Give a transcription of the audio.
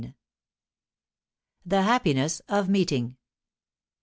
THE HAPPINESS OF MEETING.